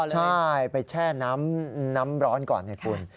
ใช่ไปแช่น้ำร้อนก่อนไงคุณ